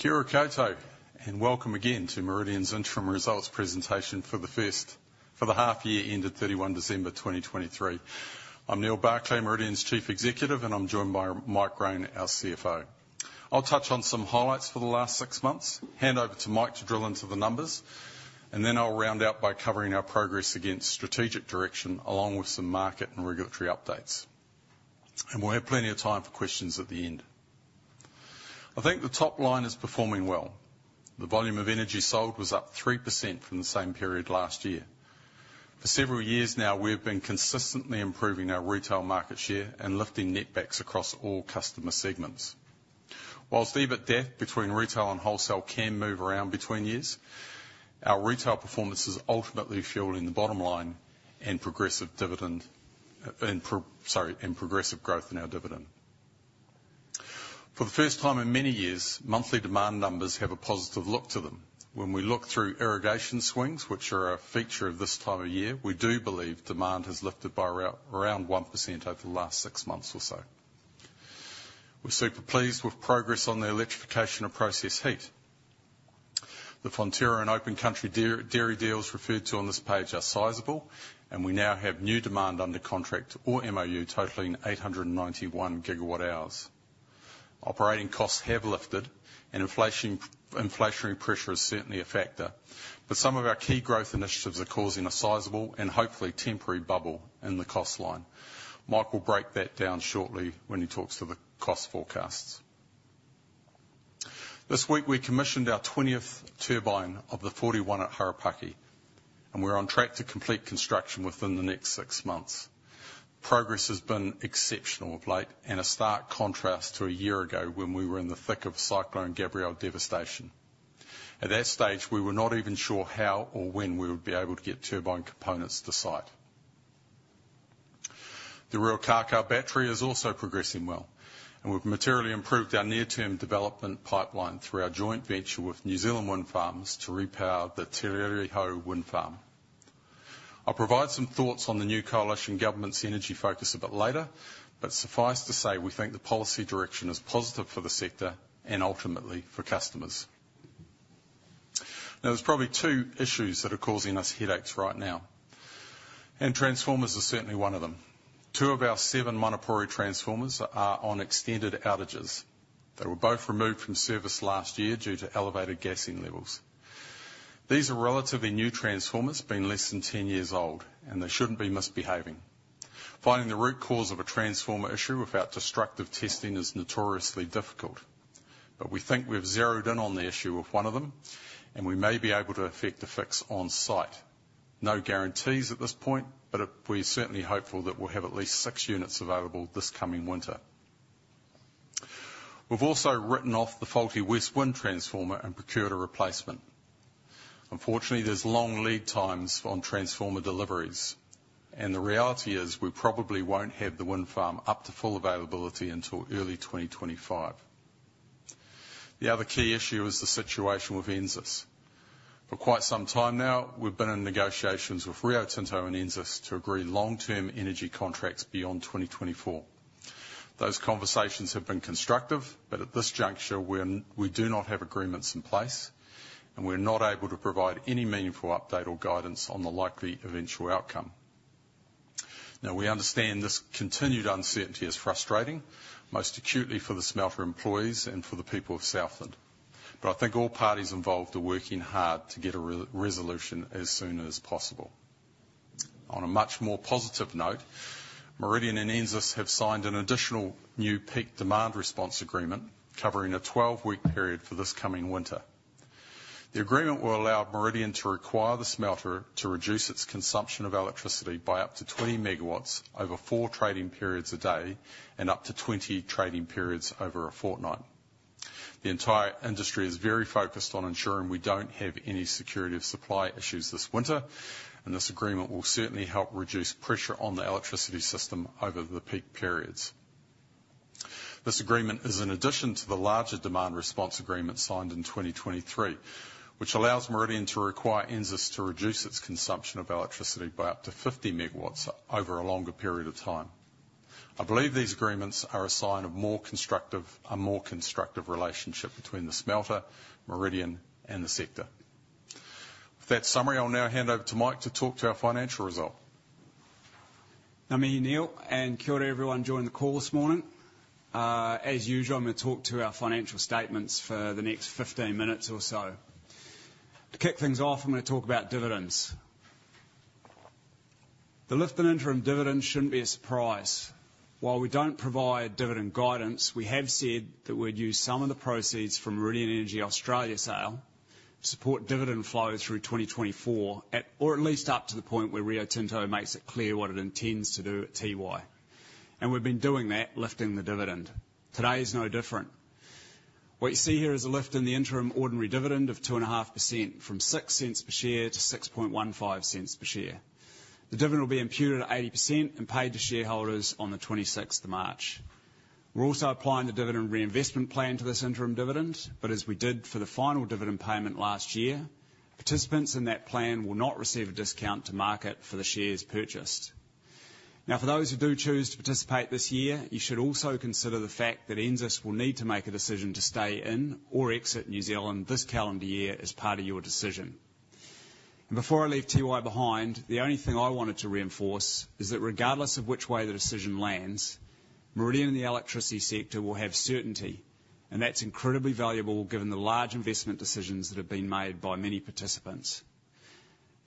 Kia ora koutou, and welcome again to Meridian's Interim Results presentation for the half-year ended 31 December 2023. I'm Neal Barclay, Meridian's Chief Executive, and I'm joined by Mike Roan, our CFO. I'll touch on some highlights for the last six months, hand over to Mike to drill into the numbers, and then I'll round out by covering our progress against strategic direction along with some market and regulatory updates, and we'll have plenty of time for questions at the end. I think the top line is performing well. The volume of energy sold was up 3% from the same period last year. For several years now, we've been consistently improving our retail market share and lifting netbacks across all customer segments. Whilst EBITDA between retail and wholesale can move around between years, our retail performance is ultimately fueling the bottom line and progressive dividend and progressive growth in our dividend. For the first time in many years, monthly demand numbers have a positive look to them. When we look through irrigation swings, which are a feature of this time of year, we do believe demand has lifted by around 1% over the last six months or so. We're super pleased with progress on the electrification of process heat. The Fonterra and Open Country Dairy deals referred to on this page are sizable, and we now have new demand under contract or MOU totaling 891 gigawatt-hours. Operating costs have lifted, and inflationary pressure is certainly a factor, but some of our key growth initiatives are causing a sizable and hopefully temporary bubble in the cost line. Mike will break that down shortly when he talks to the cost forecasts. This week we commissioned our 20th turbine of the 41 at Harapaki, and we're on track to complete construction within the next six months. Progress has been exceptional of late, and a stark contrast to a year ago when we were in the thick of Cyclone Gabrielle devastation. At that stage, we were not even sure how or when we would be able to get turbine components to site. The Ruakākā battery is also progressing well, and we've materially improved our near-term development pipeline through our joint venture with New Zealand Wind Farms to repower the Te Rere Hau Wind Farm. I'll provide some thoughts on the new coalition government's energy focus a bit later, but suffice to say we think the policy direction is positive for the sector and ultimately for customers. Now, there's probably 2 issues that are causing us headaches right now, and transformers are certainly one of them. 2 of our 7 monopole transformers are on extended outages. They were both removed from service last year due to elevated gassing levels. These are relatively new transformers, being less than 10 years old, and they shouldn't be misbehaving. Finding the root cause of a transformer issue without destructive testing is notoriously difficult, but we think we've zeroed in on the issue with one of them, and we may be able to effect a fix on-site. No guarantees at this point, but we're certainly hopeful that we'll have at least 6 units available this coming winter. We've also written off the faulty West Wind transformer and procured a replacement. Unfortunately, there's long lead times on transformer deliveries, and the reality is we probably won't have the wind farm up to full availability until early 2025. The other key issue is the situation with NZAS. For quite some time now, we've been in negotiations with Rio Tinto and NZAS to agree long-term energy contracts beyond 2024. Those conversations have been constructive, but at this juncture, we do not have agreements in place, and we're not able to provide any meaningful update or guidance on the likely eventual outcome. Now, we understand this continued uncertainty is frustrating, most acutely for the Smelter employees and for the people of Southland, but I think all parties involved are working hard to get a resolution as soon as possible. On a much more positive note, Meridian and NZAS have signed an additional new peak demand response agreement covering a 12-week period for this coming winter. The agreement will allow Meridian to require the Smelter to reduce its consumption of electricity by up to 20 MW over 4 trading periods a day and up to 20 trading periods over a fortnight. The entire industry is very focused on ensuring we don't have any security of supply issues this winter, and this agreement will certainly help reduce pressure on the electricity system over the peak periods. This agreement is in addition to the larger demand response agreement signed in 2023, which allows Meridian to require NZAS to reduce its consumption of electricity by up to 50 MW over a longer period of time. I believe these agreements are a sign of a more constructive relationship between the Smelter, Meridian, and the sector. With that summary, I'll now hand over to Mike to talk to our financial result. I'm Neal, and kia ora everyone joining the call this morning. As usual, I'm going to talk to our financial statements for the next 15 minutes or so. To kick things off, I'm going to talk about dividends. The lift in interim dividends shouldn't be a surprise. While we don't provide dividend guidance, we have said that we'd use some of the proceeds from Meridian Energy Australia sale to support dividend flow through 2024, or at least up to the point where Rio Tinto makes it clear what it intends to do at Tiwai. And we've been doing that, lifting the dividend. Today is no different. What you see here is a lift in the interim ordinary dividend of 2.5%, from 0.06 per share to 0.0615 per share. The dividend will be imputed at 80% and paid to shareholders on the 26th of March. We're also applying the dividend reinvestment plan to this interim dividend, but as we did for the final dividend payment last year, participants in that plan will not receive a discount to market for the shares purchased. Now, for those who do choose to participate this year, you should also consider the fact that NZAS will need to make a decision to stay in or exit New Zealand this calendar year as part of your decision. Before I leave Tiwai behind, the only thing I wanted to reinforce is that regardless of which way the decision lands, Meridian and the electricity sector will have certainty, and that's incredibly valuable given the large investment decisions that have been made by many participants.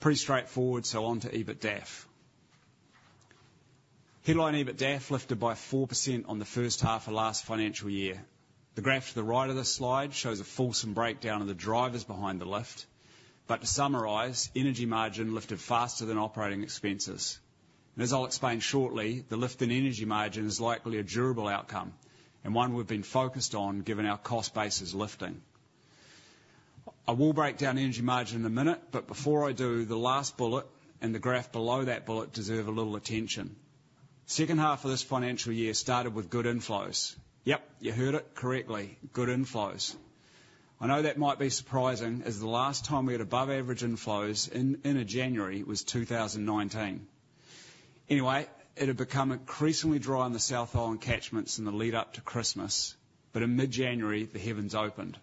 Pretty straightforward, so on to EBITDA. Headline EBITDA lifted by 4% on the H1 of last financial year. The graph to the right of this slide shows a fulsome breakdown of the drivers behind the lift, but to summarize, energy margin lifted faster than operating expenses. As I'll explain shortly, the lift in energy margin is likely a durable outcome and one we've been focused on given our cost basis lifting. I will break down energy margin in a minute, but before I do, the last bullet and the graph below that bullet deserve a little attention. H2 of this financial year started with good inflows. Yep, you heard it correctly, good inflows. I know that might be surprising, as the last time we had above-average inflows in January was 2019. Anyway, it had become increasingly dry on the South Island catchments in the lead-up to Christmas, but in mid-January, the heavens opened.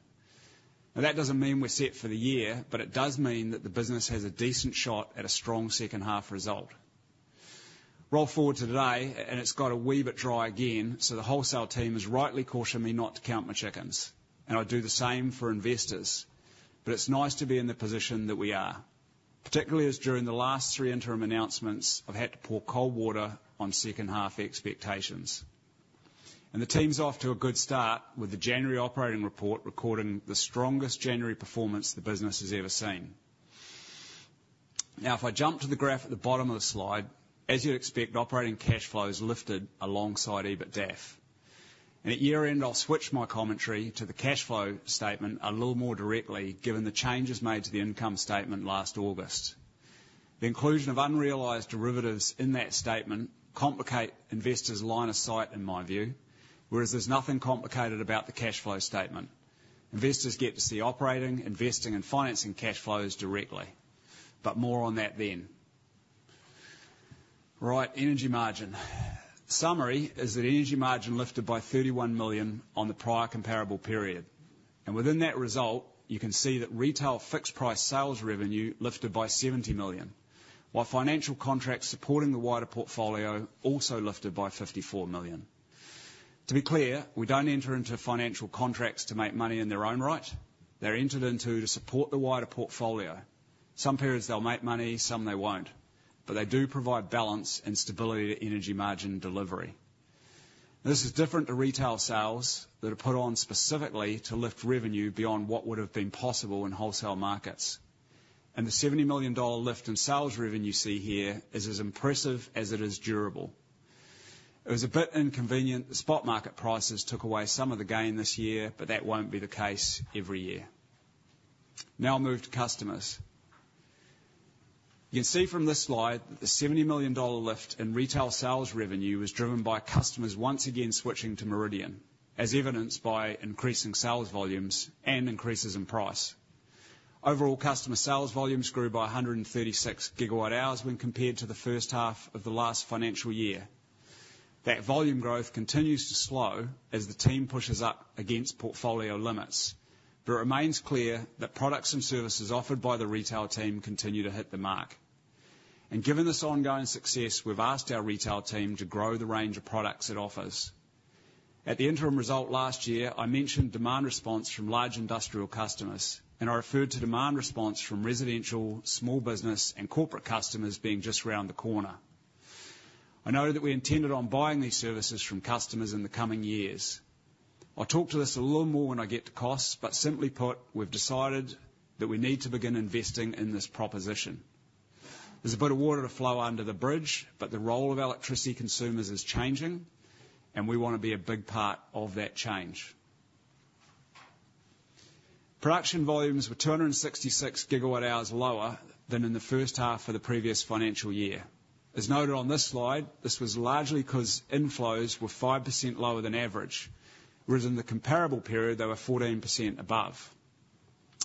Now, that doesn't mean we're set for the year, but it does mean that the business has a decent shot at a strong second-half result. Roll forward to today, and it's got too wet but dry again, so the wholesale team is rightly cautioning me not to count my chickens. And I do the same for investors, but it's nice to be in the position that we are, particularly as during the last three interim announcements I've had to pour cold water on second-half expectations. And the team's off to a good start with the January operating report recording the strongest January performance the business has ever seen. Now, if I jump to the graph at the bottom of the slide, as you'd expect, operating cash flows lifted alongside EBITDA. At year-end, I'll switch my commentary to the cash flow statement a little more directly given the changes made to the income statement last August. The inclusion of unrealized derivatives in that statement complicates investors' line of sight, in my view, whereas there's nothing complicated about the cash flow statement. Investors get to see operating, investing, and financing cash flows directly. But more on that then. Right, energy margin. Summary is that energy margin lifted by 31 million on the prior comparable period. And within that result, you can see that retail fixed-price sales revenue lifted by 70 million, while financial contracts supporting the wider portfolio also lifted by 54 million. To be clear, we don't enter into financial contracts to make money in their own right. They're entered into to support the wider portfolio. Some periods they'll make money, some they won't. But they do provide balance and stability to energy margin delivery. This is different to retail sales that are put on specifically to lift revenue beyond what would have been possible in wholesale markets. And the 70 million dollar lift in sales revenue you see here is as impressive as it is durable. It was a bit inconvenient. The spot market prices took away some of the gain this year, but that won't be the case every year. Now I'll move to customers. You can see from this slide that the 70 million dollar lift in retail sales revenue was driven by customers once again switching to Meridian, as evidenced by increasing sales volumes and increases in price. Overall, customer sales volumes grew by 136 gigawatt-hours when compared to the H1 of the last financial year. That volume growth continues to slow as the team pushes up against portfolio limits, but it remains clear that products and services offered by the retail team continue to hit the mark. Given this ongoing success, we've asked our retail team to grow the range of products it offers. At the interim result last year, I mentioned demand response from large industrial customers, and I referred to demand response from residential, small business, and corporate customers being just around the corner. I know that we intended on buying these services from customers in the coming years. I'll talk to this a little more when I get to costs, but simply put, we've decided that we need to begin investing in this proposition. There's a bit of water to flow under the bridge, but the role of electricity consumers is changing, and we want to be a big part of that change. Production volumes were 266 GWh lower than in the H1 of the previous financial year. As noted on this slide, this was largely because inflows were 5% lower than average, whereas in the comparable period they were 14% above.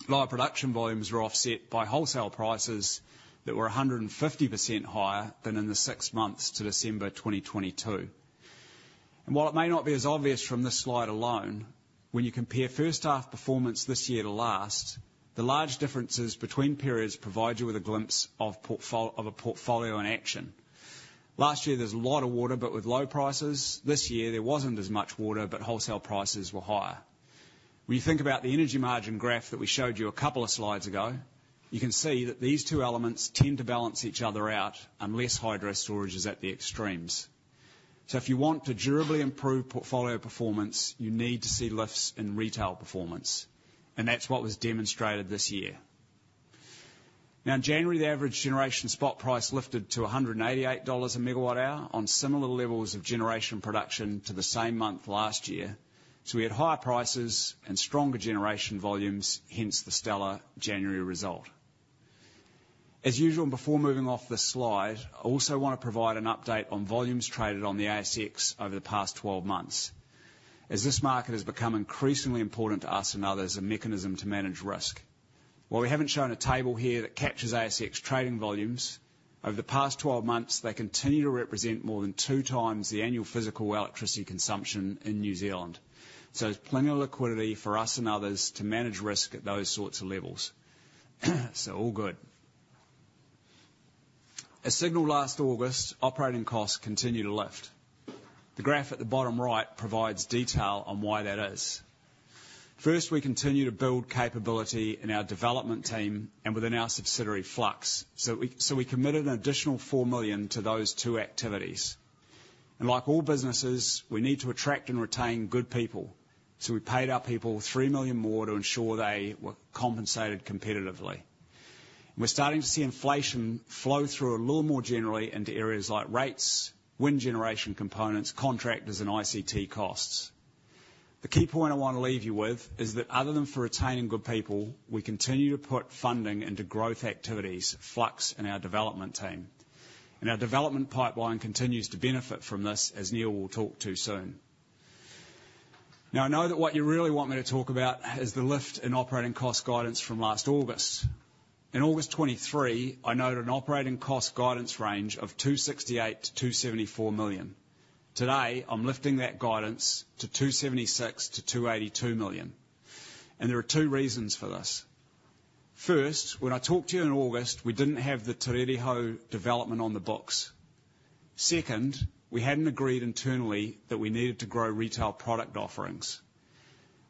Lower production volumes were offset by wholesale prices that were 150% higher than in the six months to December 2022. And while it may not be as obvious from this slide alone, when you compare first-half performance this year to last, the large differences between periods provide you with a glimpse of a portfolio in action. Last year there's a lot of water but with low prices. This year there wasn't as much water but wholesale prices were higher. When you think about the energy margin graph that we showed you a couple of slides ago, you can see that these two elements tend to balance each other out unless hydro storage is at the extremes. So if you want to durably improve portfolio performance, you need to see lifts in retail performance. And that's what was demonstrated this year. Now in January, the average generation spot price lifted to 188 dollars a megawatt-hour on similar levels of generation production to the same month last year. So we had higher prices and stronger generation volumes, hence the stellar January result. As usual, before moving off this slide, I also want to provide an update on volumes traded on the ASX over the past 12 months. As this market has become increasingly important to us and others, a mechanism to manage risk. While we haven't shown a table here that captures ASX trading volumes, over the past 12 months they continue to represent more than two times the annual physical electricity consumption in New Zealand. So there's plenty of liquidity for us and others to manage risk at those sorts of levels. So all good. As signalled last August, operating costs continue to lift. The graph at the bottom right provides detail on why that is. First, we continue to build capability in our development team and within our subsidiary Flux. So we committed an additional 4 million to those two activities. And like all businesses, we need to attract and retain good people. So we paid our people 3 million more to ensure they were compensated competitively. We're starting to see inflation flow through a little more generally into areas like rates, wind generation components, contractors, and ICT costs. The key point I want to leave you with is that other than for retaining good people, we continue to put funding into growth activities, Flux, and our development team. Our development pipeline continues to benefit from this, as Neal will talk too soon. Now I know that what you really want me to talk about is the lift in operating cost guidance from last August. In August 2023, I noted an operating cost guidance range of 268 million-274 million. Today I'm lifting that guidance to 276 million-282 million. There are two reasons for this. First, when I talked to you in August, we didn't have the Te Rere Hau development on the books. Second, we hadn't agreed internally that we needed to grow retail product offerings.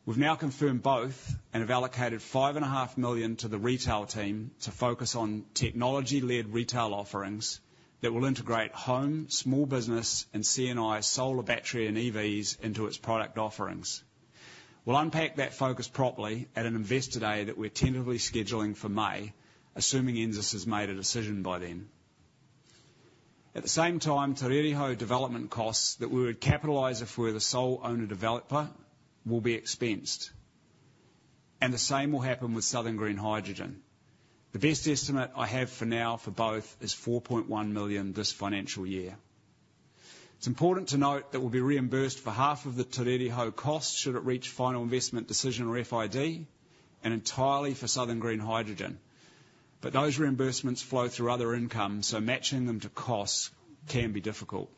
We've now confirmed both and have allocated 5.5 million to the retail team to focus on technology-led retail offerings that will integrate home, small business, and CNI solar battery and EVs into its product offerings. We'll unpack that focus properly at an investor day that we're tentatively scheduling for May, assuming Genesis has made a decision by then. At the same time, Te Rere Hau development costs that we would capitalize if we were the sole owner-developer will be expensed. And the same will happen with Southern Green Hydrogen. The best estimate I have for now for both is 4.1 million this financial year. It's important to note that we'll be reimbursed for half of the Te Rere Hau costs should it reach final investment decision or FID, and entirely for Southern Green Hydrogen. But those reimbursements flow through other income, so matching them to costs can be difficult.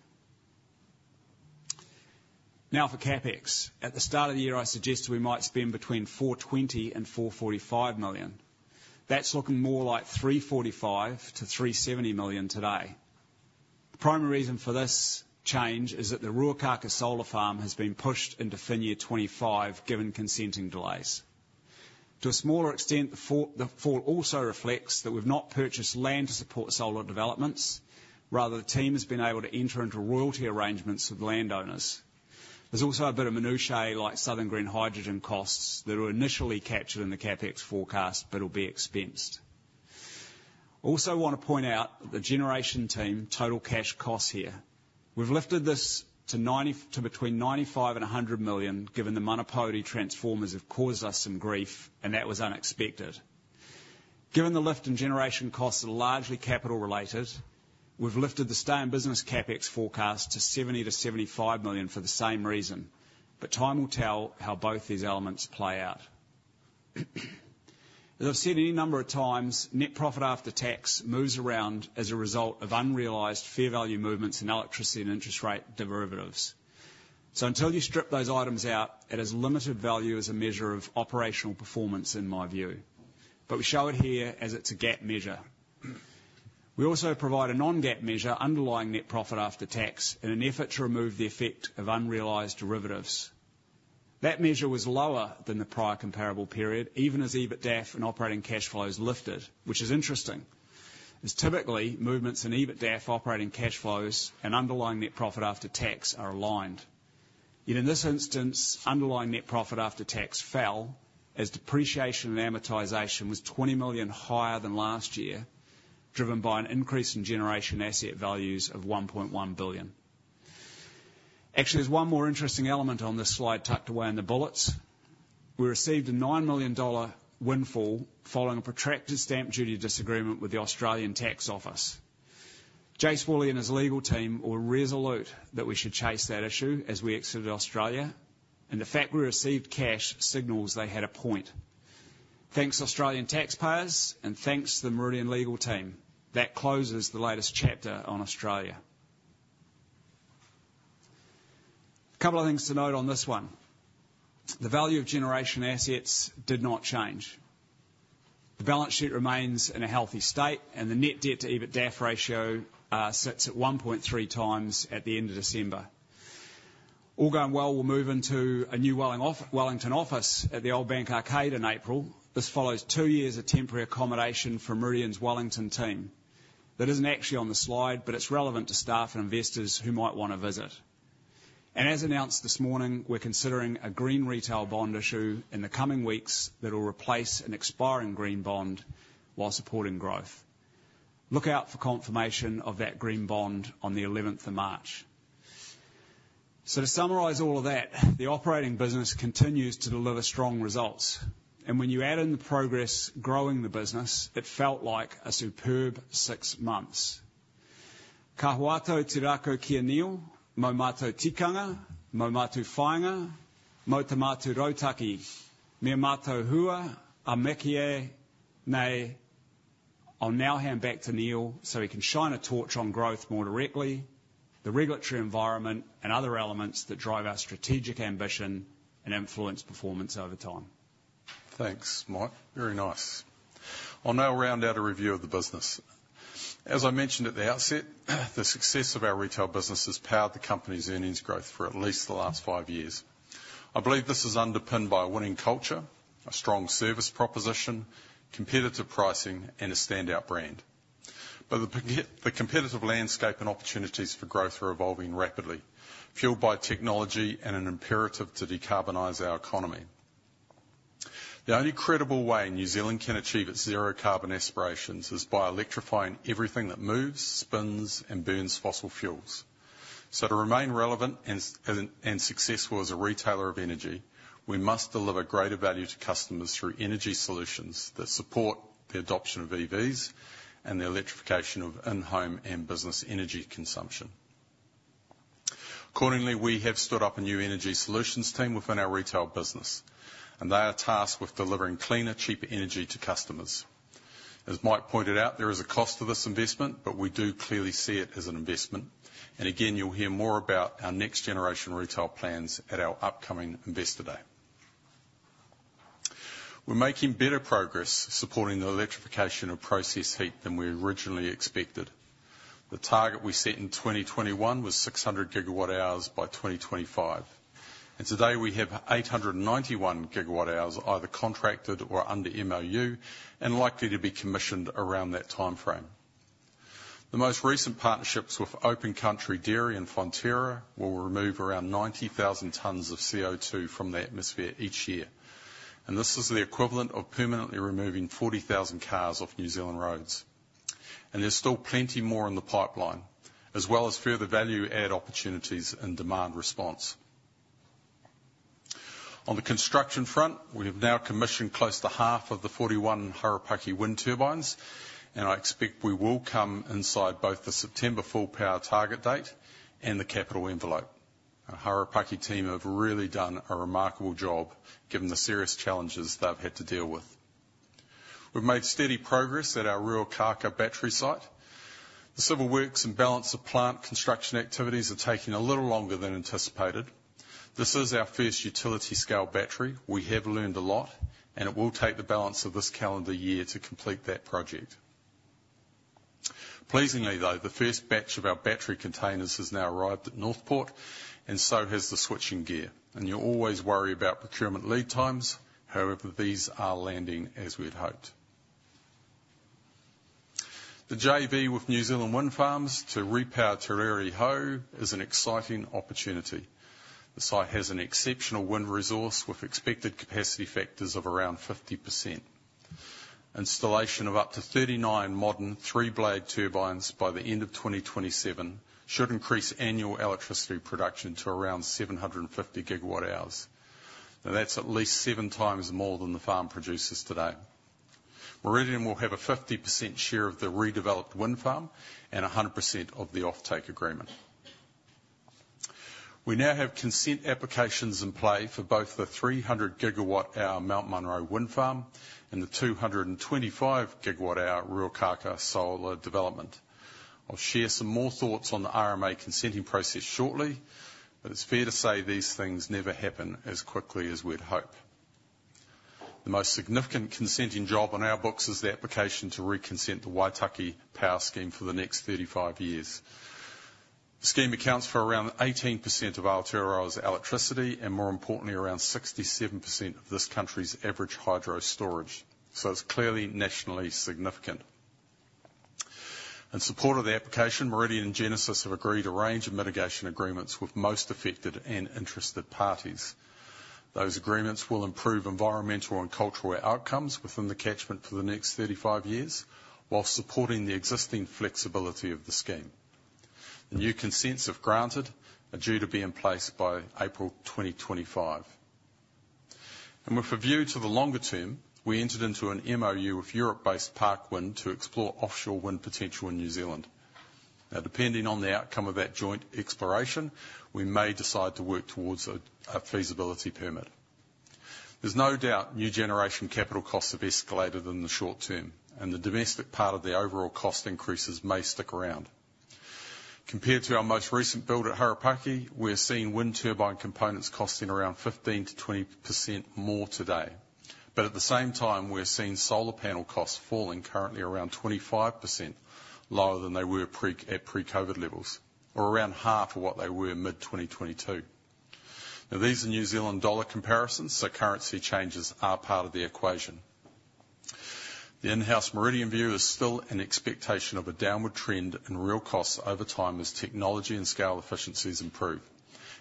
Now for CAPEX. At the start of the year, I suggested we might spend between 420 million and 445 million. That's looking more like 345 million-370 million today. The primary reason for this change is that the Ruakākā Solar Farm has been pushed into FY 2025 given consenting delays. To a smaller extent, the fall also reflects that we've not purchased land to support solar developments. Rather, the team has been able to enter into royalty arrangements with landowners. There's also a bit of minutiae like Southern Green Hydrogen costs that were initially captured in the CAPEX forecast but will be expensed. Also want to point out the generation team total cash costs here. We've lifted this to between 95 million and 100 million given the Manapōuri transformers have caused us some grief, and that was unexpected. Given the lift in generation costs that are largely capital-related, we've lifted the stay-in-business CAPEX forecast to 70 million-75 million for the same reason. But time will tell how both these elements play out. As I've said any number of times, net profit after tax moves around as a result of unrealized fair value movements in electricity and interest rate derivatives. So until you strip those items out, it has as limited value as a measure of operational performance, in my view. But we show it here as it's a gap measure. We also provide a non-gap measure underlying net profit after tax in an effort to remove the effect of unrealized derivatives. That measure was lower than the prior comparable period, even as EBITDA and operating cash flows lifted, which is interesting, as typically movements in EBITDA, operating cash flows, and underlying net profit after tax are aligned. Yet in this instance, underlying net profit after tax fell as depreciation and amortization was 20 million higher than last year, driven by an increase in generation asset values of 1.1 billion. Actually, there's one more interesting element on this slide tucked away in the bullets. We received a 9 million dollar windfall following a protracted stamp duty disagreement with the Australian tax office. Jason Woolley and his legal team were resolute that we should chase that issue as we exited Australia, and the fact we received cash signals they had a point. Thanks, Australian taxpayers, and thanks, the Meridian legal team. That closes the latest chapter on Australia. A couple of things to note on this one. The value of generation assets did not change. The balance sheet remains in a healthy state, and the net debt to EBITDA ratio sits at 1.3 times at the end of December. All going well, we'll move into a new Wellington office at the Old Bank Arcade in April. This follows two years of temporary accommodation for Meridian's Wellington team. That isn't actually on the slide, but it's relevant to staff and investors who might want to visit. As announced this morning, we're considering a green retail bond issue in the coming weeks that will replace an expiring green bond while supporting growth. Look out for confirmation of that green bond on the 11th of March. To summarise all of that, the operating business continues to deliver strong results. When you add in the progress growing the business, it felt like a superb six months. Kahuwato Terako Kia Neal, Momato Tikanga, Momato Fainga, Motomato Rotaki, Miamato Hua, Amekie Nai. I'll now hand back to Neal so he can shine a torch on growth more directly, the regulatory environment, and other elements that drive our strategic ambition and influence performance over time. Thanks, Mike. Very nice. I'll now round out a review of the business. As I mentioned at the outset, the success of our retail business has powered the company's earnings growth for at least the last five years. I believe this is underpinned by a winning culture, a strong service proposition, competitive pricing, and a standout brand. But the competitive landscape and opportunities for growth are evolving rapidly, fueled by technology and an imperative to decarbonize our economy. The only credible way New Zealand can achieve its zero-carbon aspirations is by electrifying everything that moves, spins, and burns fossil fuels. So to remain relevant and successful as a retailer of energy, we must deliver greater value to customers through energy solutions that support the adoption of EVs and the electrification of in-home and business energy consumption. Accordingly, we have stood up a new energy solutions team within our retail business, and they are tasked with delivering cleaner, cheaper energy to customers. As Mike pointed out, there is a cost to this investment, but we do clearly see it as an investment. And again, you'll hear more about our next-generation retail plans at our upcoming investor day. We're making better progress supporting the electrification of process heat than we originally expected. The target we set in 2021 was 600 gigawatt-hours by 2025. Today we have 891 gigawatt-hours either contracted or under MOU and likely to be commissioned around that timeframe. The most recent partnerships with Open Country Dairy and Fonterra will remove around 90,000 tons of CO2 from the atmosphere each year. This is the equivalent of permanently removing 40,000 cars off New Zealand roads. There's still plenty more in the pipeline, as well as further value-add opportunities in demand response. On the construction front, we have now commissioned close to half of the 41 Harapaki wind turbines, and I expect we will come inside both the September full-power target date and the capital envelope. Our Harapaki team have really done a remarkable job given the serious challenges they've had to deal with. We've made steady progress at our Ruakākā battery site. The civil works and balance of plant construction activities are taking a little longer than anticipated. This is our first utility-scale battery. We have learned a lot, and it will take the balance of this calendar year to complete that project. Pleasingly, though, the first batch of our battery containers has now arrived at Northport, and so has the switching gear. You always worry about procurement lead times. However, these are landing as we'd hoped. The JV with New Zealand Wind Farms to repower Te Rere Hau is an exciting opportunity. The site has an exceptional wind resource with expected capacity factors of around 50%. Installation of up to 39 modern three-blade turbines by the end of 2027 should increase annual electricity production to around 750 GWh. Now that's at least 7 times more than the farm produces today. Meridian will have a 50% share of the redeveloped wind farm and 100% of the offtake agreement. We now have consent applications in play for both the 300 GWh Mount Munro wind farm and the 225 GWh Ruakākā solar development. I'll share some more thoughts on the RMA consenting process shortly, but it's fair to say these things never happen as quickly as we'd hope. The most significant consenting job on our books is the application to reconsent the Waitaki Power Scheme for the next 35 years. The scheme accounts for around 18% of Aotearoa's electricity and, more importantly, around 67% of this country's average hydro storage. So it's clearly nationally significant. In support of the application, Meridian and Genesis have agreed a range of mitigation agreements with most affected and interested parties. Those agreements will improve environmental and cultural outcomes within the catchment for the next 35 years while supporting the existing flexibility of the scheme. The new consents have granted are due to be in place by April 2025. With a view to the longer term, we entered into an MOU with Europe-based Parkwind to explore offshore wind potential in New Zealand. Now, depending on the outcome of that joint exploration, we may decide to work towards a feasibility permit. There's no doubt new generation capital costs have escalated in the short term, and the domestic part of the overall cost increases may stick around. Compared to our most recent build at Harapaki, we're seeing wind turbine components costing around 15%-20% more today. But at the same time, we're seeing solar panel costs falling currently around 25% lower than they were at pre-COVID levels, or around half of what they were mid-2022. Now, these are New Zealand dollar comparisons, so currency changes are part of the equation. The in-house Meridian view is still an expectation of a downward trend in real costs over time as technology and scale efficiencies improve.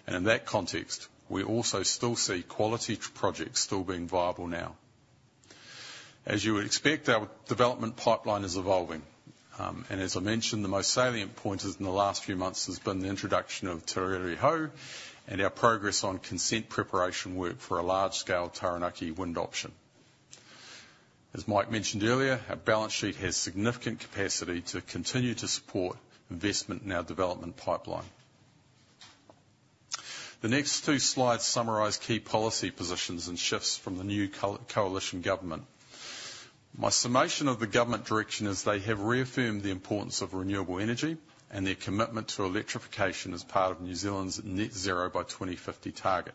In that context, we also still see quality projects still being viable now. As you would expect, our development pipeline is evolving. As I mentioned, the most salient point in the last few months has been the introduction of Te Rere Hau and our progress on consent preparation work for a large-scale Taurinaki wind option. As Mike mentioned earlier, our balance sheet has significant capacity to continue to support investment in our development pipeline. The next two slides summarize key policy positions and shifts from the new coalition government. My summation of the government direction is they have reaffirmed the importance of renewable energy and their commitment to electrification as part of New Zealand's net-zero by 2050 target.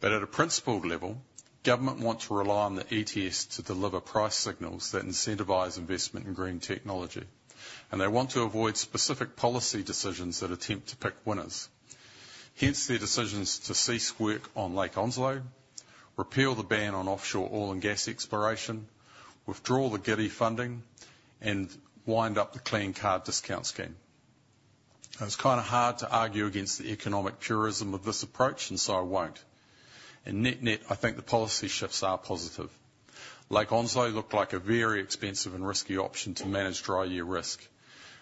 But at a principled level, government want to rely on the ETS to deliver price signals that incentivize investment in green technology, and they want to avoid specific policy decisions that attempt to pick winners. Hence, their decisions to cease work on Lake Onslow, repeal the ban on offshore oil and gas exploration, withdraw the GIDI funding, and wind up the clean car discount scheme. Now, it's kind of hard to argue against the economic purism of this approach, and so I won't. And net, net, I think the policy shifts are positive. Lake Onslow looked like a very expensive and risky option to manage dry year risk.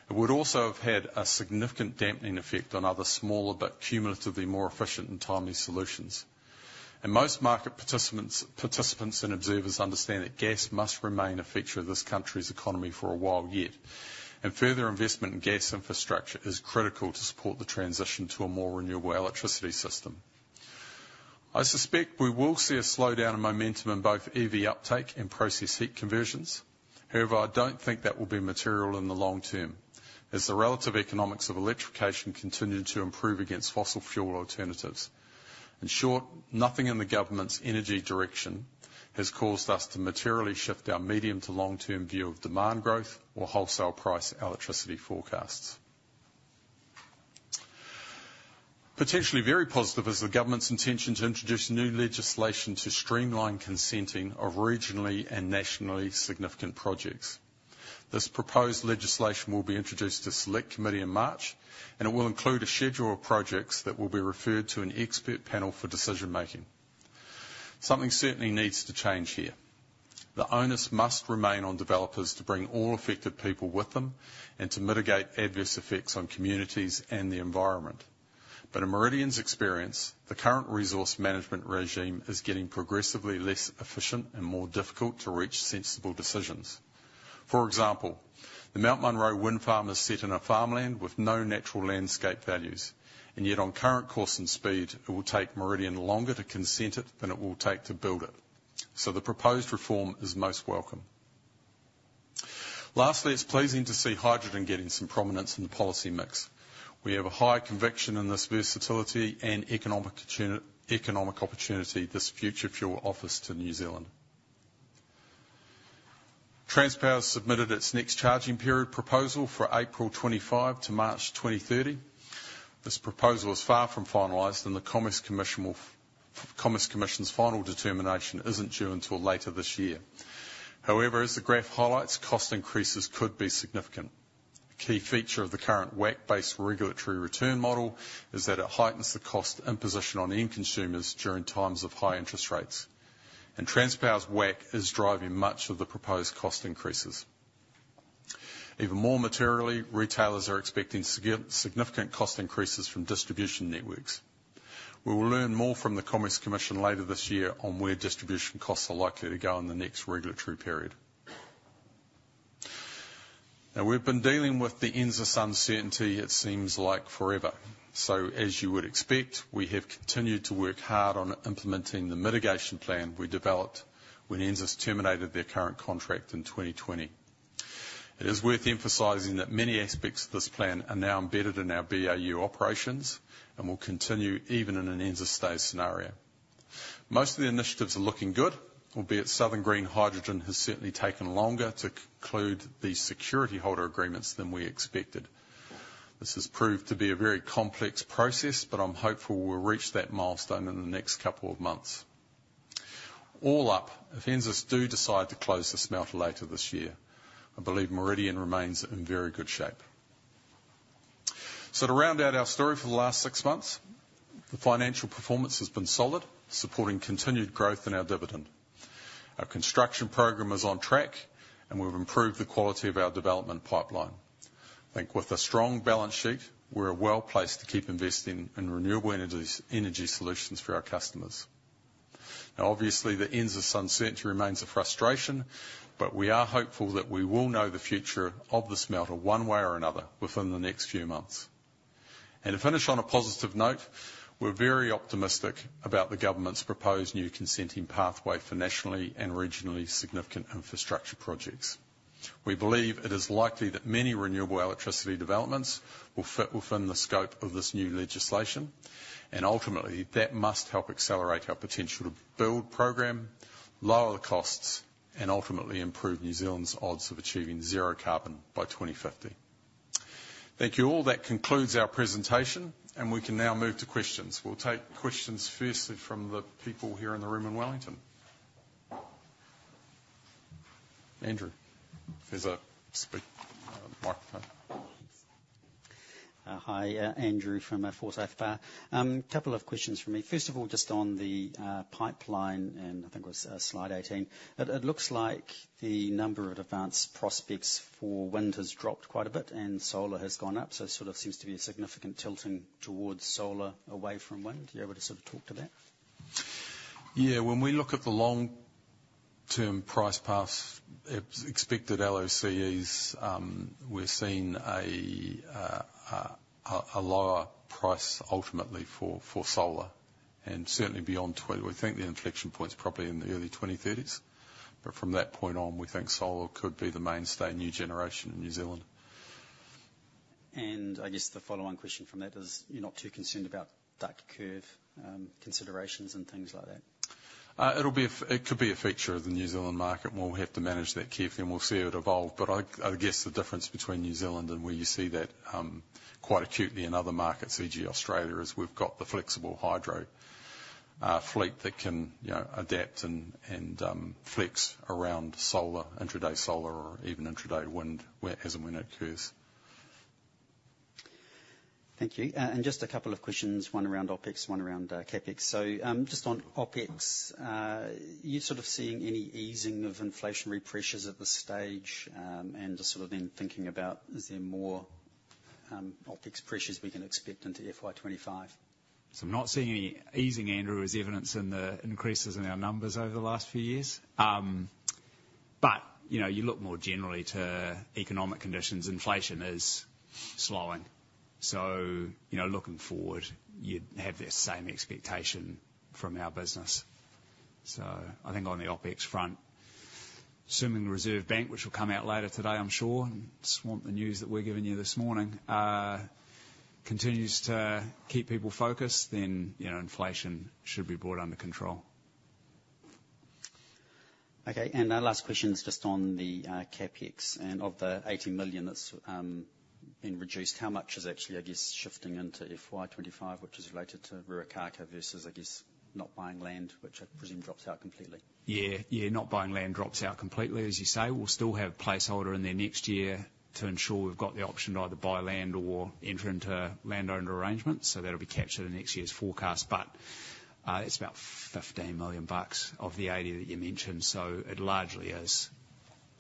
It would also have had a significant dampening effect on other smaller, but cumulatively more efficient and timely solutions. And most market participants and observers understand that gas must remain a feature of this country's economy for a while yet, and further investment in gas infrastructure is critical to support the transition to a more renewable electricity system. I suspect we will see a slowdown in momentum in both EV uptake and process heat conversions. However, I don't think that will be material in the long term, as the relative economics of electrification continue to improve against fossil fuel alternatives. In short, nothing in the government's energy direction has caused us to materially shift our medium to long-term view of demand growth or wholesale price electricity forecasts. Potentially very positive is the government's intention to introduce new legislation to streamline consenting of regionally and nationally significant projects. This proposed legislation will be introduced to Select Committee in March, and it will include a schedule of projects that will be referred to an expert panel for decision-making. Something certainly needs to change here. The onus must remain on developers to bring all affected people with them and to mitigate adverse effects on communities and the environment. But in Meridian's experience, the current resource management regime is getting progressively less efficient and more difficult to reach sensible decisions. For example, the Mount Munro wind farm is set in a farmland with no natural landscape values, and yet on current course and speed, it will take Meridian longer to consent it than it will take to build it. So the proposed reform is most welcome. Lastly, it's pleasing to see hydrogen getting some prominence in the policy mix. We have a high conviction in this versatility and economic opportunity this future fuel offers to New Zealand. Transpower has submitted its next charging period proposal for April 2025 to March 2030. This proposal is far from finalized, and the Commerce Commission's final determination isn't due until later this year. However, as the graph highlights, cost increases could be significant. A key feature of the current WACC-based regulatory return model is that it heightens the cost imposition on end consumers during times of high interest rates. Transpower's WACC is driving much of the proposed cost increases. Even more materially, retailers are expecting significant cost increases from distribution networks. We will learn more from the Commerce Commission later this year on where distribution costs are likely to go in the next regulatory period. Now, we've been dealing with the NZAS uncertainty. It seems like forever. So as you would expect, we have continued to work hard on implementing the mitigation plan we developed when NZAS terminated their current contract in 2020. It is worth emphasizing that many aspects of this plan are now embedded in our BAU operations and will continue even in an NZAS-stayed scenario. Most of the initiatives are looking good, albeit Southern Green Hydrogen has certainly taken longer to conclude the security holder agreements than we expected. This has proved to be a very complex process, but I'm hopeful we'll reach that milestone in the next couple of months. All up, if NZAS do decide to close the smelter later this year, I believe Meridian remains in very good shape. So to round out our story for the last six months, the financial performance has been solid, supporting continued growth in our dividend. Our construction program is on track, and we've improved the quality of our development pipeline. I think with a strong balance sheet, we're well placed to keep investing in renewable energy solutions for our customers. Now, obviously, the NZAS uncertainty remains a frustration, but we are hopeful that we will know the future of this smelter one way or another within the next few months. And to finish on a positive note, we're very optimistic about the government's proposed new consenting pathway for nationally and regionally significant infrastructure projects. We believe it is likely that many renewable electricity developments will fit within the scope of this new legislation, and ultimately, that must help accelerate our potential-to-build program, lower the costs, and ultimately improve New Zealand's odds of achieving zero carbon by 2050. Thank you all. That concludes our presentation, and we can now move to questions. We'll take questions firstly from the people here in the room in Wellington. Andrew, if there's a speak microphone. Hi, Andrew from Forsyth Barr. Couple of questions from me. First of all, just on the pipeline, and I think it was slide 18, it looks like the number of advanced prospects for wind has dropped quite a bit and solar has gone up. So it sort of seems to be a significant tilting towards solar away from wind. Are you able to sort of talk to that? Yeah. When we look at the long-term price path expected LOCEs, we're seeing a lower price ultimately for solar. Certainly beyond 20 we think the inflection point's probably in the early 2030s. From that point on, we think solar could be the mainstay new generation in New Zealand. I guess the follow-on question from that is, you're not too concerned about duck curve considerations and things like that? It could be a feature of the New Zealand market, and we'll have to manage that carefully. And we'll see how it evolves. But I guess the difference between New Zealand and where you see that quite acutely in other markets, e.g., Australia, is we've got the flexible hydro fleet that can adapt and flex around solar, intraday solar, or even intraday wind as and when it occurs. Thank you. And just a couple of questions, one around OPEX, one around CAPEX. So just on OPEX, are you sort of seeing any easing of inflationary pressures at this stage? And sort of then thinking about, is there more OPEX pressures we can expect into FY25? So I'm not seeing any easing, Andrew, as evidenced in the increases in our numbers over the last few years. But you look more generally to economic conditions, inflation is slowing. So looking forward, you'd have the same expectation from our business. So I think on the OPEX front, assuming the Reserve Bank, which will come out later today, I'm sure, and swamp the news that we're giving you this morning, continues to keep people focused, then inflation should be brought under control. Okay. Last questions just on the CAPEX. Of the 80 million that's been reduced, how much is actually, I guess, shifting into FY25, which is related to Ruakākā versus, I guess, not buying land, which I presume drops out completely? Yeah. Yeah. Not buying land drops out completely, as you say. We'll still have a placeholder in there next year to ensure we've got the option to either buy land or enter into landowner arrangements. So that'll be captured in next year's forecast. But that's about 15 million bucks of the 80 million that you mentioned. So it largely is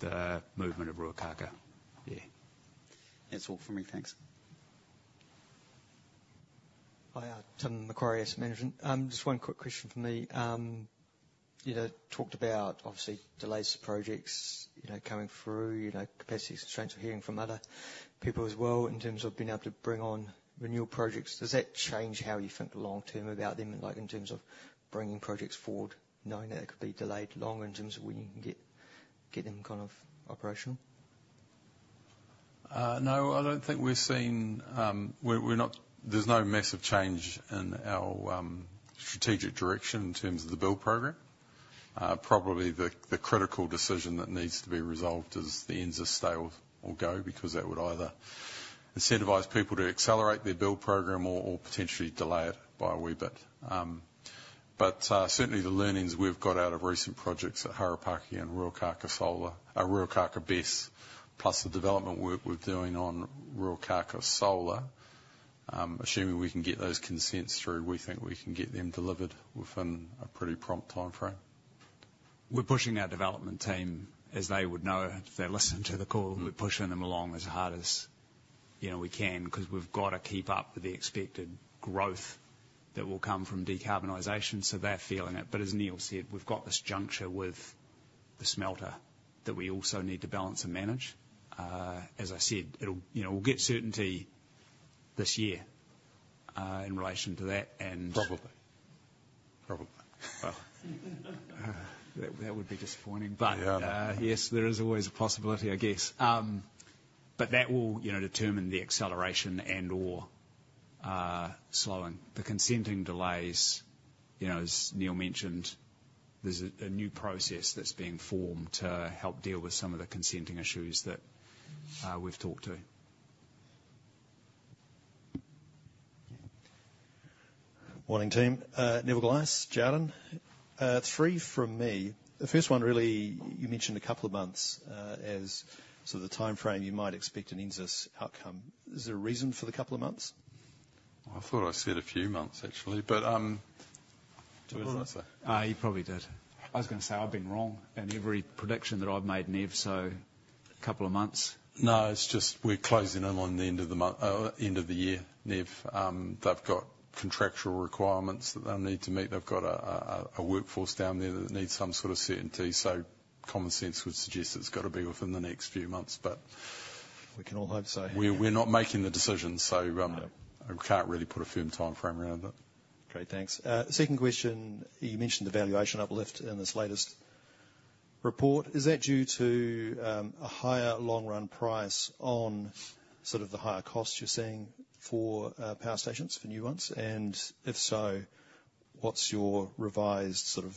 the movement of Ruakākā. Yeah. That's all from me. Thanks. Hi, Tim, Macquarie Asset Management. Just one quick question from me. You talked about, obviously, delays to projects coming through, capacity constraints, or hearing from other people as well in terms of being able to bring on renewable projects. Does that change how you think long-term about them in terms of bringing projects forward, knowing that they could be delayed longer in terms of when you can get them kind of operational? No, I don't think we've seen. There's no massive change in our strategic direction in terms of the build program. Probably the critical decision that needs to be resolved is the NZAS stay or go because that would either incentivize people to accelerate their build program or potentially delay it by a wee bit. But certainly, the learnings we've got out of recent projects at Harapaki and Ruakākā Solar, Ruakākā BESS, plus the development work we're doing on Ruakākā Solar, assuming we can get those consents through, we think we can get them delivered within a pretty prompt timeframe. We're pushing our development team as they would know if they listen to the call. We're pushing them along as hard as we can because we've got to keep up with the expected growth that will come from decarbonization. So they're feeling it. But as Neal said, we've got this juncture with the smelter that we also need to balance and manage. As I said, we'll get certainty this year in relation to that and. Probably. Probably. Well, that would be disappointing. But yes, there is always a possibility, I guess. But that will determine the acceleration and/or slowing. The consenting delays, as Neil mentioned, there's a new process that's being formed to help deal with some of the consenting issues that we've talked to. Morning, team. Neville Glass, Jarden. Three from me. The first one, really, you mentioned a couple of months as sort of the timeframe you might expect an NZAS outcome. Is there a reason for the couple of months? I thought I said a few months, actually. But. Do I? I thought I said. You probably did. I was going to say I've been wrong in every prediction that I've made, Nev. So a couple of months. No, it's just we're closing in on the end of the year, Nev. They've got contractual requirements that they'll need to meet. They've got a workforce down there that needs some sort of certainty. So common sense would suggest it's got to be within the next few months. But. We can all hope so. We're not making the decision, so I can't really put a firm timeframe around it. Great. Thanks. Second question. You mentioned the valuation uplift in this latest report. Is that due to a higher long-run price on sort of the higher costs you're seeing for power stations, for new ones? And if so, what's your revised sort of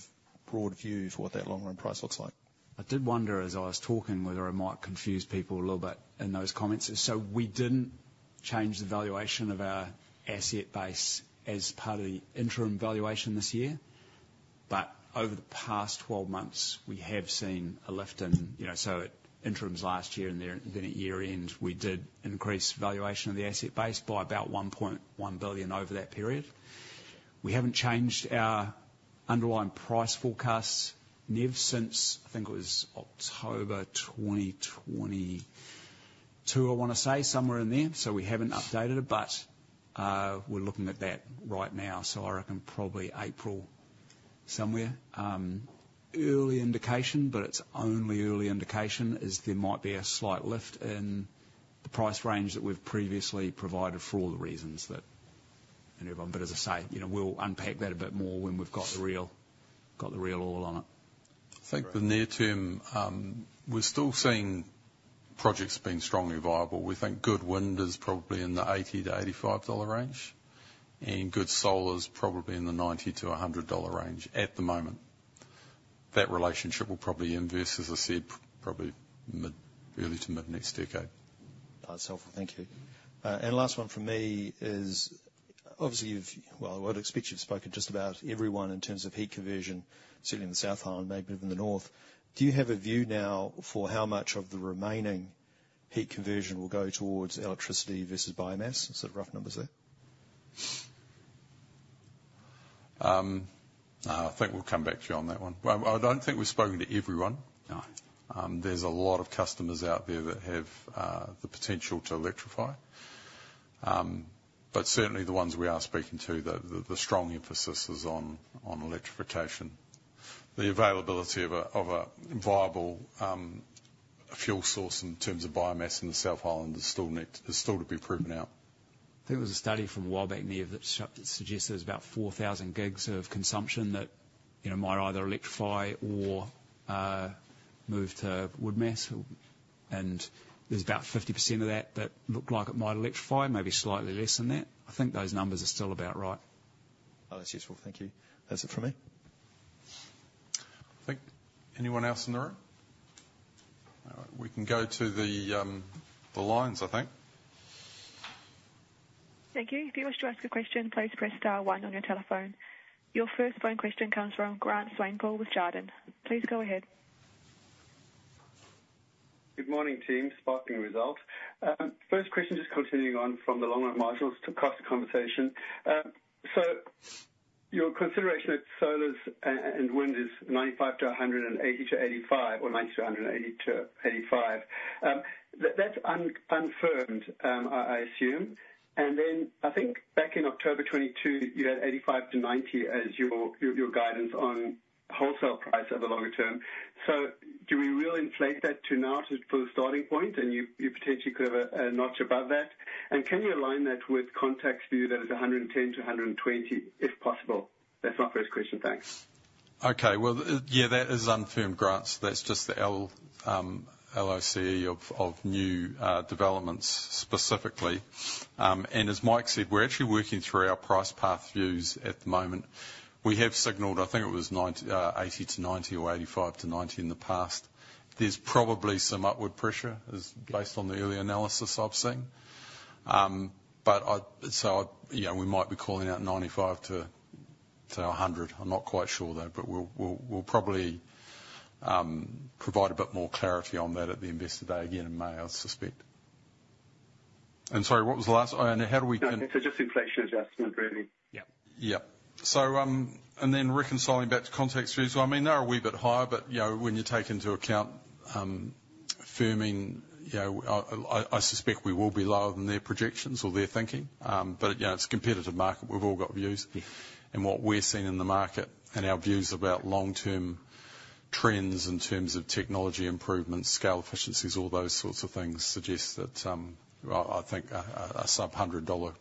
broad view for what that long-run price looks like? I did wonder, as I was talking, whether I might confuse people a little bit in those comments. So we didn't change the valuation of our asset base as part of the interim valuation this year. But over the past 12 months, we have seen a lift in so at interims last year and then at year-end, we did increase valuation of the asset base by about 1.1 billion over that period. We haven't changed our underlying price forecasts, Nev, since I think it was October 2022, I want to say, somewhere in there. So we haven't updated it. But we're looking at that right now. So I reckon probably April somewhere. Early indication, but it's only early indication, is that there might be a slight lift in the price range that we've previously provided for all the reasons that and, Evan, but as I say, we'll unpack that a bit more when we've got the real oil on it. I think the near-term we're still seeing projects being strongly viable. We think good wind is probably in the $80-$85 range, and good solar's probably in the $90-$100 range at the moment. That relationship will probably inverse, as I said, probably early to mid-next decade. That's helpful. Thank you. And last one from me is, obviously, you've well, I would expect you've spoken just about everyone in terms of heat conversion, certainly in the South Island, maybe even the North. Do you have a view now for how much of the remaining heat conversion will go towards electricity versus biomass? Sort of rough numbers there? No, I think we'll come back to you on that one. I don't think we've spoken to everyone. No. There's a lot of customers out there that have the potential to electrify. But certainly, the ones we are speaking to, the strong emphasis is on electrification. The availability of a viable fuel source in terms of biomass in the South Island is still to be proven out. I think there was a study from WABEC, Nev, that suggested there's about 4,000 GWh of consumption that might either electrify or move to woodmass. There's about 50% of that that look like it might electrify, maybe slightly less than that. I think those numbers are still about right. Oh, that's useful. Thank you. That's it from me. I think anyone else in the room? All right. We can go to the lines, I think. Thank you. If you wish to ask a question, please press star one on your telephone. Your first phone question comes from Grant Swanepoel with Jarden. Please go ahead. Good morning, team. Sparking results. First question, just continuing on from the long-run marginals across the conversation. So your consideration that solar's and wind is 95-100 and 80-85 or 90-180 to 85, that's unfirmed, I assume. And then I think back in October 2022, you had 85-90 as your guidance on wholesale price over longer term. So do we really inflate that to now for the starting point, and you potentially could have a notch above that? And can you align that with Contact's view that it's 110-120, if possible? That's my first question. Thanks. Okay. Well, yeah, that is unconfirmed, Grant. So that's just the LOCE of new developments specifically. And as Mike said, we're actually working through our price path views at the moment. We have signaled, I think it was 80-90 or 85-90 in the past. There's probably some upward pressure, based on the early analysis I've seen. So we might be calling out 95-100. I'm not quite sure, though. But we'll probably provide a bit more clarity on that at the investor day again in May, I suspect. And sorry, what was the last? And how do we can. No, Nev, so just inflation adjustment, really. Yep. Yep. And then reconciling back to Contact's views, well, I mean, they're a wee bit higher. But when you take into account firming, I suspect we will be lower than their projections or their thinking. But it's a competitive market. We've all got views. And what we're seeing in the market and our views about long-term trends in terms of technology improvements, scale efficiencies, all those sorts of things suggest that I think a sub-NZD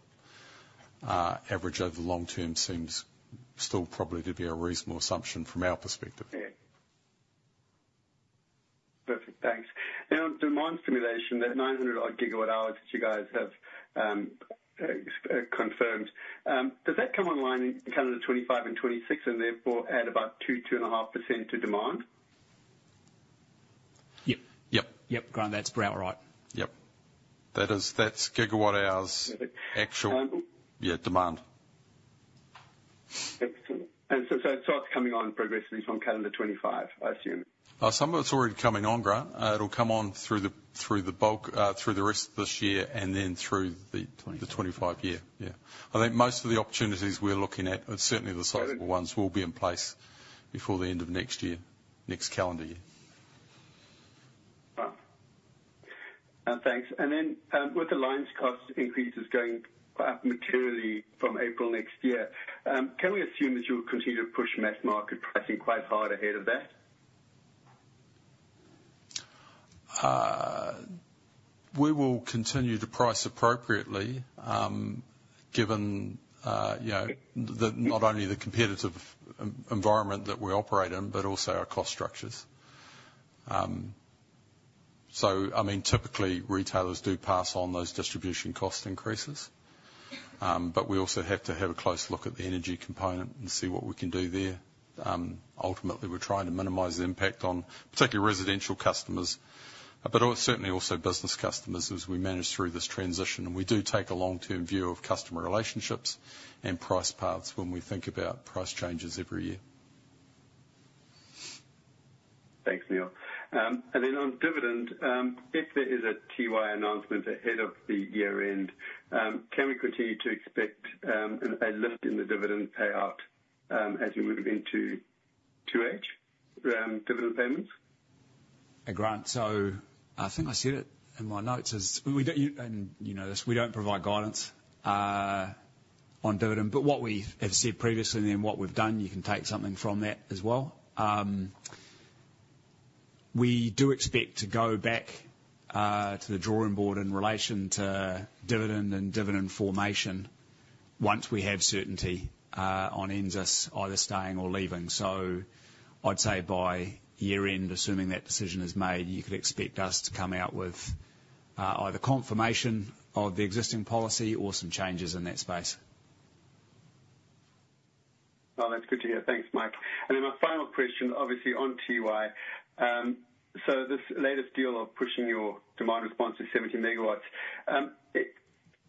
100 average over the long term seems still probably to be a reasonable assumption from our perspective. Yeah. Perfect. Thanks. Now, demand stimulation, that 900-odd GWh that you guys have confirmed, does that come online in calendar 2025 and 2026 and therefore add about 2%-2.5% to demand? Yep. Yep. Yep, Grant, that's about right. Yep. That's gigawatt-hours actual. Perfect. Yeah, demand. Excellent. So it's coming on progressively from Canada 2025, I assume? Oh, some of it's already coming on, Grant. It'll come on through the bulk through the rest of this year and then through the 2025 year. Yeah. I think most of the opportunities we're looking at, certainly the sizable ones, will be in place before the end of next year, next calendar year. Right. Thanks. And then with the lines cost increases going up materially from April next year, can we assume that you'll continue to push mass market pricing quite hard ahead of that? We will continue to price appropriately given not only the competitive environment that we operate in but also our cost structures. So, I mean, typically, retailers do pass on those distribution cost increases. But we also have to have a close look at the energy component and see what we can do there. Ultimately, we're trying to minimize the impact on particularly residential customers, but certainly also business customers as we manage through this transition. And we do take a long-term view of customer relationships and price paths when we think about price changes every year. Thanks, Neal. Then on dividend, if there is a FY announcement ahead of the year-end, can we continue to expect a lift in the dividend payout as we move into 2H, dividend payments? Grant, so I think I said it in my notes as and you know this. We don't provide guidance on dividend. But what we have said previously and then what we've done, you can take something from that as well. We do expect to go back to the drawing board in relation to dividend and dividend formation once we have certainty on NZAS either staying or leaving. So I'd say by year-end, assuming that decision is made, you could expect us to come out with either confirmation of the existing policy or some changes in that space. Well, that's good to hear. Thanks, Mike. And then my final question, obviously, on TY. So this latest deal of pushing your demand response to 70 MW,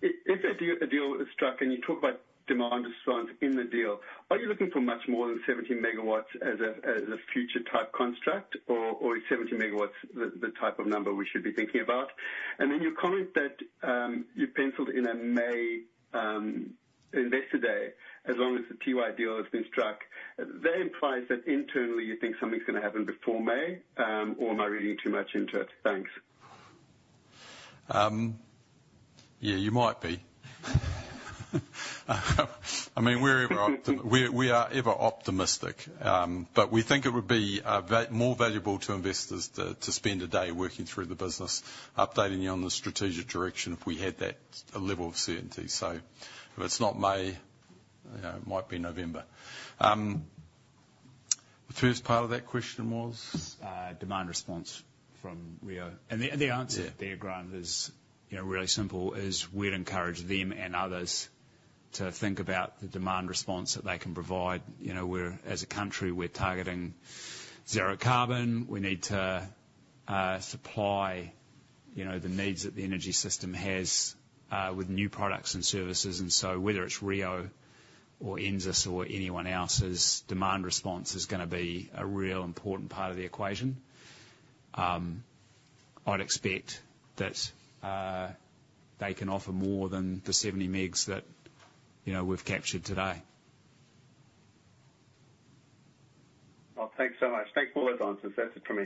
if a deal is struck and you talk about demand response in the deal, are you looking for much more than 70 MW as a future-type contract, or is 70 MW the type of number we should be thinking about? And then you comment that you pencilled in a May investor day, as long as the TY deal has been struck. That implies that internally, you think something's going to happen before May. Or am I reading too much into it? Thanks. Yeah, you might be. I mean, we're ever optimistic. But we think it would be more valuable to investors to spend a day working through the business, updating you on the strategic direction if we had that level of certainty. So if it's not May, it might be November. The first part of that question was? Demand response from Rio. The answer there, Grant, is really simple: we'd encourage them and others to think about the demand response that they can provide. As a country, we're targeting zero carbon. We need to supply the needs that the energy system has with new products and services. And so whether it's Rio or NZAS or anyone else's, demand response is going to be a real important part of the equation. I'd expect that they can offer more than the 70 megs that we've captured today. Well, thanks so much. Thanks for all those answers. That's it from me.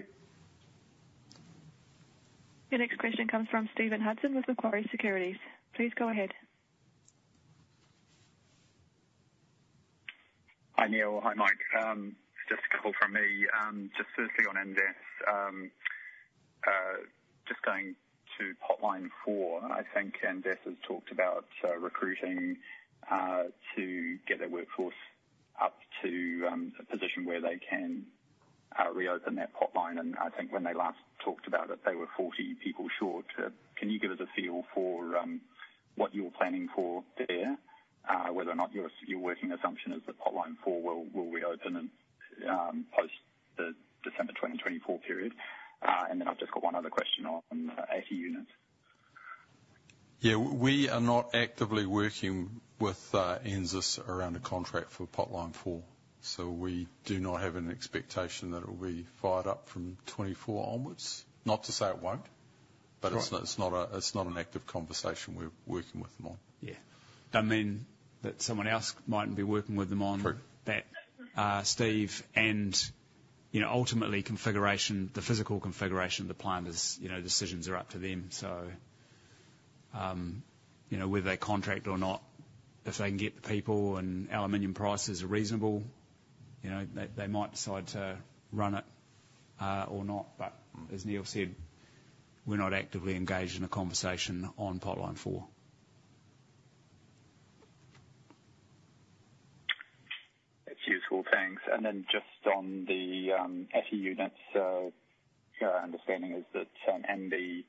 Your next question comes from Stephen Hudson with Macquarie Securities. Please go ahead. Hi, Neal. Hi, Mike. Just a couple from me. Just firstly, on NZAS, just going to potline 4, I think NZAS has talked about recruiting to get their workforce up to a position where they can reopen that potline. And I think when they last talked about it, they were 40 people short. Can you give us a feel for what you're planning for there, whether or not your working assumption is that potline 4 will reopen post the December 2024 period? And then I've just got one other question on NZUs. Yeah, we are not actively working with NZAS around a contract for Potline 4. So we do not have an expectation that it'll be fired up from 2024 onwards. Not to say it won't, but it's not an active conversation we're working with them on. Yeah. I mean, that someone else mightn't be working with them on that. True. Steve, and ultimately, the physical configuration of the plant decisions are up to them. So whether they contract or not, if they can get the people and aluminum prices are reasonable, they might decide to run it or not. But as Neal said, we're not actively engaged in a conversation on potline 4. That's useful. Thanks. Then just on the ATE units, our understanding is that MB,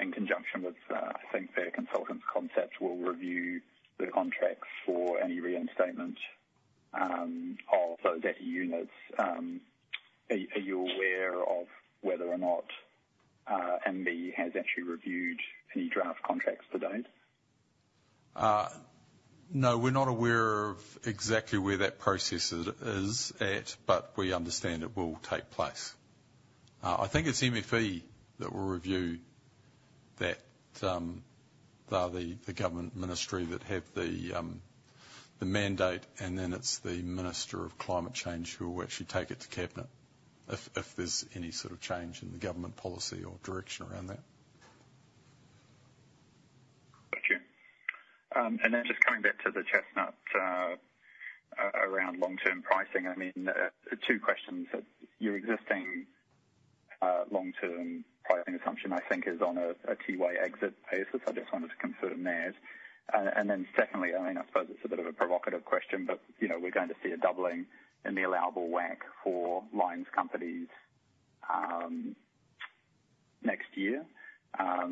in conjunction with, I think, their consultant concept, will review the contracts for any reinstatement of those ATE units. Are you aware of whether or not MB has actually reviewed any draft contracts to date? No, we're not aware of exactly where that process is at, but we understand it will take place. I think it's MFE that will review that. They're the government ministry that have the mandate. And then it's the Minister for Climate Change who will actually take it to Cabinet if there's any sort of change in the government policy or direction around that. Thank you. And then just coming back to the chestnut around long-term pricing, I mean, two questions. Your existing long-term pricing assumption, I think, is on a TY exit basis. I just wanted to confirm that. And then secondly, I mean, I suppose it's a bit of a provocative question, but we're going to see a doubling in the allowable WACC for lines companies next year,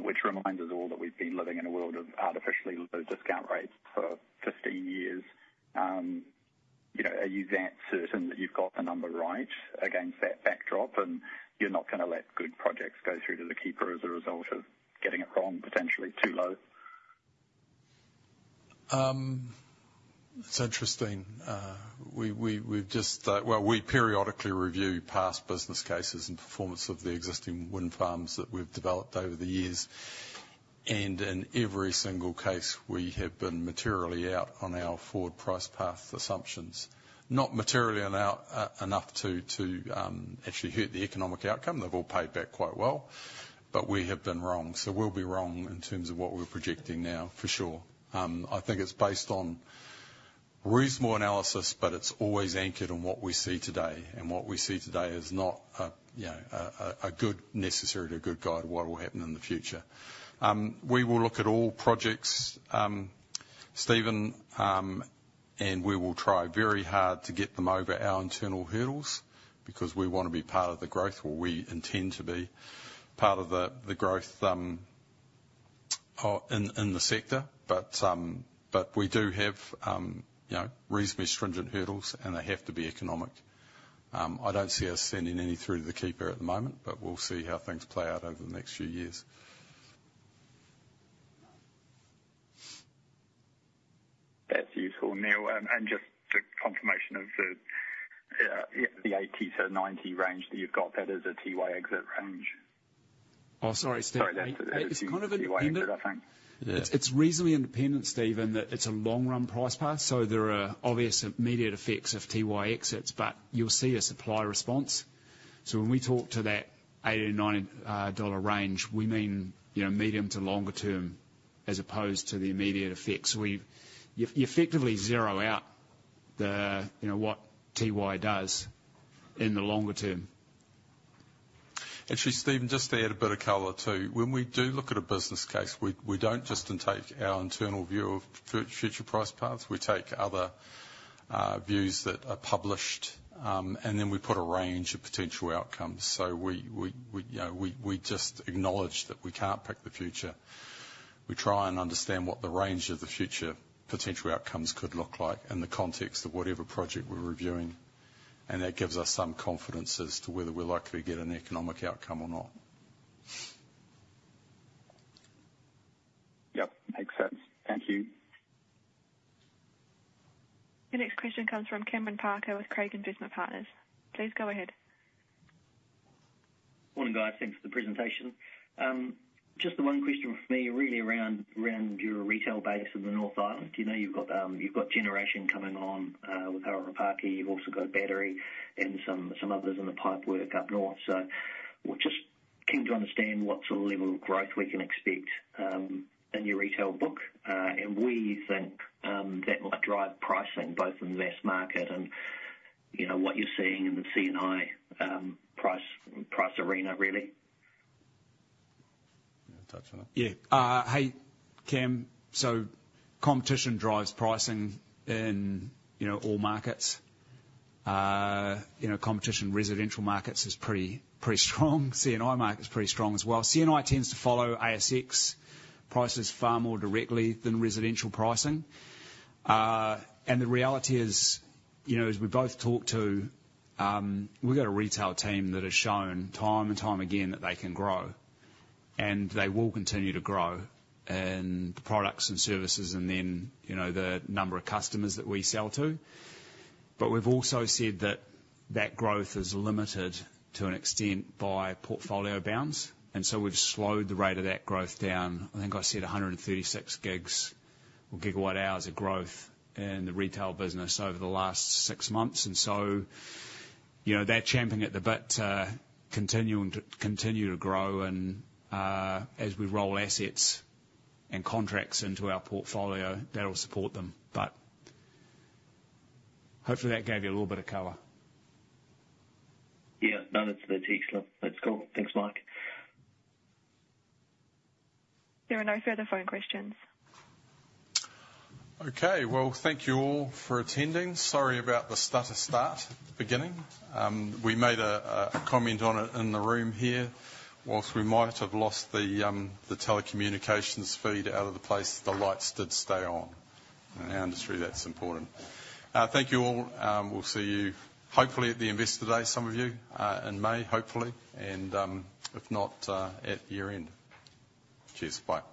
which reminds us all that we've been living in a world of artificially low discount rates for 15 years. Are you that certain that you've got the number right against that backdrop, and you're not going to let good projects go through to the keeper as a result of getting it wrong, potentially too low? It's interesting. Well, we periodically review past business cases and performance of the existing wind farms that we've developed over the years. In every single case, we have been materially out on our forward price path assumptions. Not materially enough to actually hurt the economic outcome. They've all paid back quite well. We have been wrong. We'll be wrong in terms of what we're projecting now, for sure. I think it's based on reasonable analysis, but it's always anchored on what we see today. What we see today is not necessarily a good guide to what will happen in the future. We will look at all projects, Stephen, and we will try very hard to get them over our internal hurdles because we want to be part of the growth, or we intend to be part of the growth in the sector. But we do have reasonably stringent hurdles, and they have to be economic. I don't see us sending any through to the keeper at the moment, but we'll see how things play out over the next few years. That's useful, Neal. And just the confirmation of the 80-90 range that you've got, that is a TY exit range? Oh, sorry, Steve. Sorry, that's the TY exit. It's kind of an. TY exit, I think. It's reasonably independent, Stephen, that it's a long-run price path. So there are obvious immediate effects of TY exits, but you'll see a supply response. So when we talk to that 80-90-dollar range, we mean medium to longer term as opposed to the immediate effects. You effectively zero out what TY does in the longer term. Actually, Stephen, just to add a bit of colour too, when we do look at a business case, we don't just take our internal view of future price paths. We take other views that are published, and then we put a range of potential outcomes. So we just acknowledge that we can't pick the future. We try and understand what the range of the future potential outcomes could look like in the context of whatever project we're reviewing. And that gives us some confidence as to whether we're likely to get an economic outcome or not. Yep, makes sense. Thank you. Your next question comes from Cameron Parker with Craigs Investment Partners. Please go ahead. Morning, guys. Thanks for the presentation. Just the one question from me, really, around your retail base in the North Island. You've got generation coming on with Harapaki. You've also got battery and some others in the pipeline up north. So we're just keen to understand what sort of level of growth we can expect in your retail book. And where do you think that might drive pricing, both in the mass market and what you're seeing in the C&I price arena, really? Yeah, touch on that. Yeah. Hey, Cam, so competition drives pricing in all markets. Competition in residential markets is pretty strong. C&I market's pretty strong as well. C&I tends to follow ASX prices far more directly than residential pricing. And the reality is, as we both talked to, we've got a retail team that has shown time and time again that they can grow. And they will continue to grow in products and services and then the number of customers that we sell to. But we've also said that that growth is limited to an extent by portfolio bounds. And so we've slowed the rate of that growth down. I think I said 136 gigs or gigawatt-hours of growth in the retail business over the last six months. And so they're champing at the bit, continuing to grow as we roll assets and contracts into our portfolio that will support them. Hopefully, that gave you a little bit of color. Yeah, no, that's excellent. That's cool. Thanks, Mike. There are no further phone questions. Okay. Well, thank you all for attending. Sorry about the stutter-start beginning. We made a comment on it in the room here. While we might have lost the telecommunications feed out of the place, the lights did stay on. In our industry, that's important. Thank you all. We'll see you, hopefully, at the investor day, some of you, in May, hopefully, and if not, at year-end. Cheers, bye.